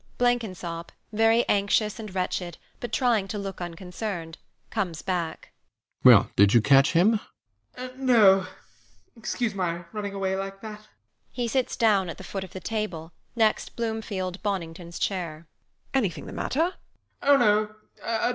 Blenkinsop, very anxious and wretched, but trying to look unconcerned, comes back. RIDGEON. Well, did you catch him? BLENKINSOP. No. Excuse my running away like that. [He sits down at the foot of the table, next Bloomfeld Bonington's chair]. WALPOLE. Anything the matter?